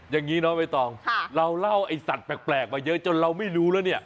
อย่างนี้น้องใบตองเราเล่าไอ้สัตว์แปลกมาเยอะจนเราไม่รู้แล้วเนี่ย